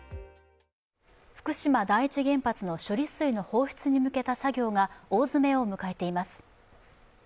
福島第一原発の処理水の放出に向けた作業が大詰めを迎えています。